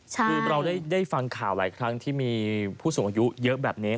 คือเราได้ฟังข่าวหลายครั้งที่มีผู้สูงอายุเยอะแบบนี้